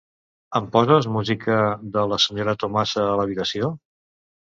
Em poses música de La senyora Tomasa a l'habitació?